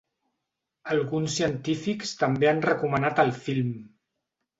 Alguns científics també han recomanat el film.